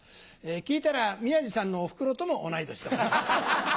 聞いたら宮治さんのおふくろとも同い年でございます。